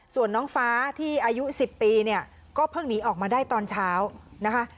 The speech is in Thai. ส่วนน้องฟ้าที่อายุ๑๐ปีเนี่ยก็เพิ่งหนีออกมาได้ตอนเช้านะคะ